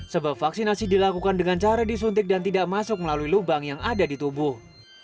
sebab vaksinasi dilakukan dengan cara disuntik dan tidak masuk melalui lubang yang ada di tubuh